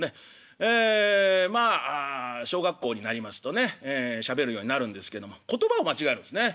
ええまあ小学校になりますとねしゃべるようになるんですけども言葉を間違えるんですね。